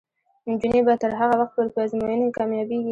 نجونې به تر هغه وخته پورې په ازموینو کې کامیابیږي.